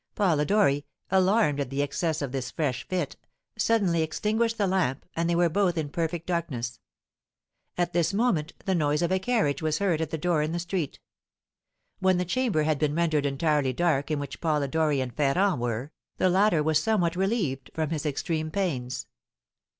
Polidori, alarmed at the excess of this fresh fit, suddenly extinguished the lamp, and they were both in perfect darkness. At this moment the noise of a carriage was heard at the door in the street. When the chamber had been rendered entirely dark in which Polidori and Ferrand were, the latter was somewhat relieved from his extreme pains.